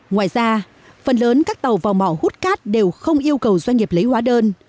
ngoài ra phần lớn các tàu vào mỏ hút cát đều không yêu cầu doanh nghiệp lấy hóa đơn